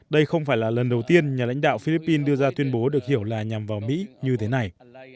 đây không phải là lần đầu tiên nhà lãnh đạo philippines đưa ra tuyên bố được hiểu là nhằm vào mỹ như thế này